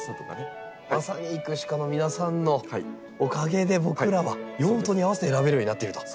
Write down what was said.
まさに育種家の皆さんのおかげで僕らは用途に合わせて選べるようになっていると。